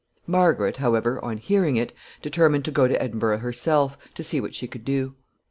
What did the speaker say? Margaret, however, on hearing it, determined to go to Edinburgh herself, to see what she could do.